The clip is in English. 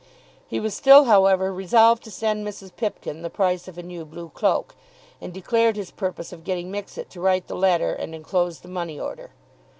He was still however resolved to send Mrs. Pipkin the price of a new blue cloak, and declared his purpose of getting Mixet to write the letter and enclose the money order.